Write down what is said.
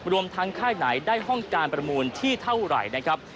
รวมทั้งค่ายไหนได้ห้องการประมูลที่เท่าไหร่นะครับ